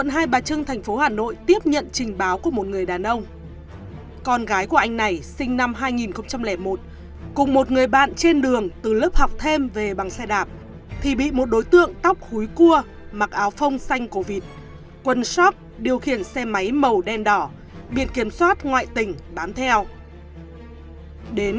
hãy đăng ký kênh để ủng hộ kênh của mình nhé